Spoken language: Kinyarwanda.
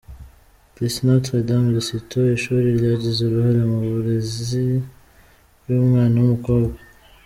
Lycée Notre dame de Cîteaux: Ishuri ryagize uruhare mu burezi bw’umwana w’umukobwa.